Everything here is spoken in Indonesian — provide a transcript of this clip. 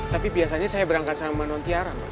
tapi biasanya saya berangkat sama nontiara mbak